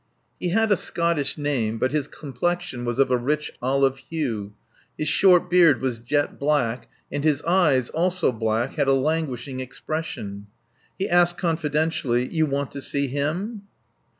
He had a Scottish name, but his complexion was of a rich olive hue, his short beard was jet black, and his eyes, also black, had a languishing expression. He asked confidentially: "You want to see Him?"